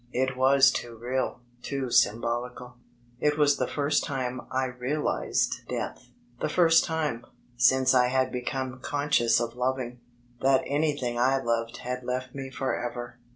It was too real, too symboli cal! It was the first time I realized death, the first time, since I had become conscious of loving, that anything I loved had left me forever.